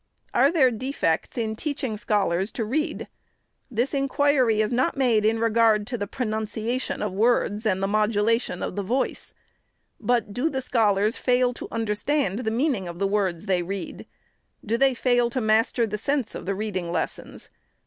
" Are there defects in teaching scholars to read? Tliis inquiry is not made in regard to the pronunciation of words and the modulation of the voice. But do the scholars fail to understand the meaning of the words they THE SECRETARY'S read ? Do they fail to master the sense of the reading lessons